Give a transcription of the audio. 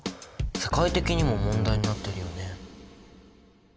世界的にも問題になってるよね。